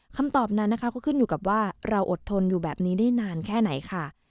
คำตอบนั้นนะคะก็ขึ้นอยู่กับว่าเราอดทนอยู่แบบนี้ได้นานแค่ไหนค่ะ